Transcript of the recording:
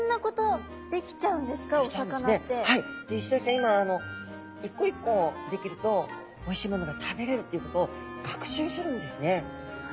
今一個一個できるとおいしいものが食べれるっていうことを学習するんですね。